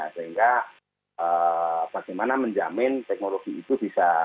sehingga bagaimana menjamin teknologi itu bisa